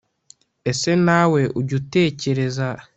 Ese nawe ujya utekereza